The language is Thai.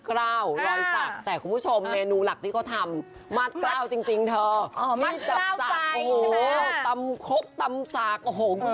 เขาต้องหัดตำซมตำเอาไว้ให้เชอรี่ได้ทาน